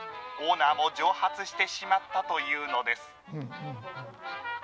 オーナーも蒸発してしまったというのです。